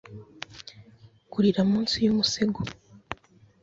Kurira munsi y umusego